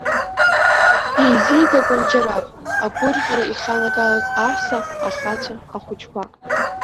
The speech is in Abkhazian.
Еизибагон џьарак, агәырӷьара иханагалоз аҳәса, ахацәа, ахәыҷқәа.